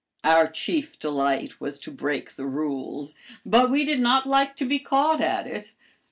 "Our chief delight was to break the rules, but we did not like to be caught at it.